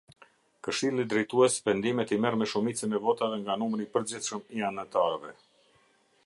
Këshilli Drejtues vendimet i nxjerr me shumicën e votave nga numrii përgjithshëm i anëtarëve.